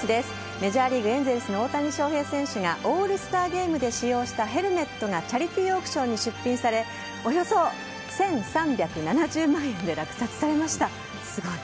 メジャーリーグエンゼルスの大谷翔平選手がオールスターゲームで使用したヘルメットがチャリティーオークションに出品されおよそ１３７０万円で落札されました。